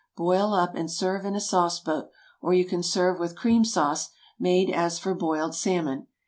Boil up and serve in a sauce boat, or you can serve with cream sauce, made as for boiled salmon.